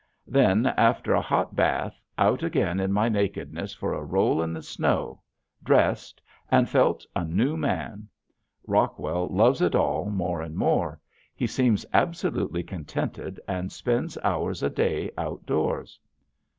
Then, after a hot bath, out again in my nakedness for a roll in the snow, dressed, and felt a new man. Rockwell loves it all more and more. He seems absolutely contented and spends hours a day outdoors.